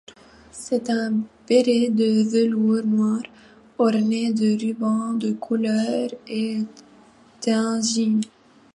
C'est un béret de velours noir orné de rubans de couleur et d'insignes.